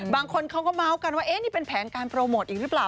บางคนเขาก็เมาส์กันว่านี่เป็นแผนการโปรโมทอีกหรือเปล่า